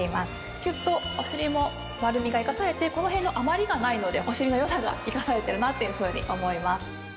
キュッとお尻も丸みが生かされてこの辺の余りがないのでお尻の良さが生かされているなというふうに思います。